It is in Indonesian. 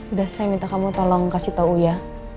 udah saya minta kamu tolong kasih tahu ya